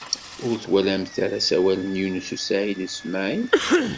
Ur twalamt ara asawal n Yunes u Saɛid u Smaɛil?